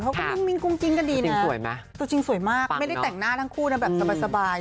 เขาก็นิ่งกุ้งกิ้งกันดีนะสวยไหมตัวจริงสวยมากไม่ได้แต่งหน้าทั้งคู่นะแบบสบาย